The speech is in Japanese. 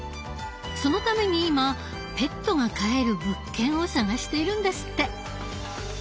そのために今ペットが飼える物件を探しているんですって。